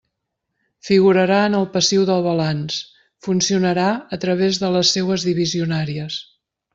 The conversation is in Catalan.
Figurarà en el passiu del balanç, funcionarà a través de les seues divisionàries.